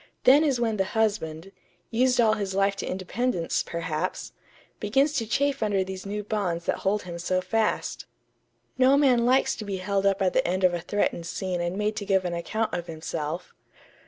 Then is when the husband used all his life to independence, perhaps begins to chafe under these new bonds that hold him so fast.... No man likes to be held up at the end of a threatened scene and made to give an account of himself....